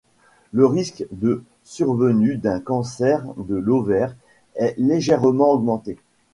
Le risque de survenue d'un cancer de l'ovaire est légèrement augmenté.